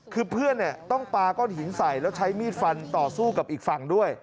คือเพื่อนต้องปาก้อนหินใส่แล้วใช้มีดฟันต่อสู้กับอีกฝั่งด้วย